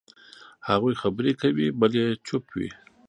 هغوی خبرې کوي، بل یې چوپ وي.